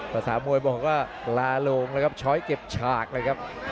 ภาษามวยบอกว่าลาโลงนะครับช้อยเก็บฉากเลยครับ